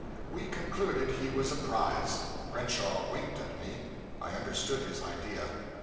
We concluded he was a prize. Crenshaw winked at me; I understood his idea.